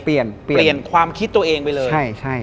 เปลี่ยนความคิดตัวเองไปเลย